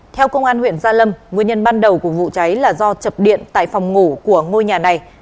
theo công an huyện gia lâm nguyên nhân ban đầu của vụ cháy là do chập điện tại phòng ngủ của ngôi nhà này